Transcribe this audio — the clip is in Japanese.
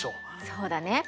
そうだね。